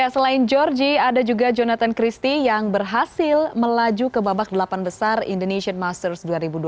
selain georgie ada juga jonathan christie yang berhasil melaju ke babak delapan besar indonesian masters dua ribu dua puluh